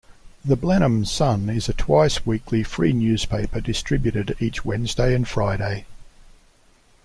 "The Blenheim Sun" is a twice-weekly free newspaper distributed each Wednesday and Friday.